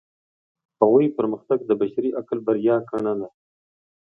هغوی پرمختګ د بشري عقل بریا ګڼله.